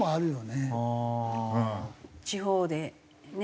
地方でね